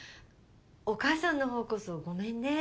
お母さんの方こそごめんね。